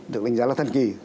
được đánh giá là thần kỳ